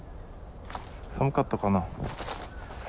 寒かったかな。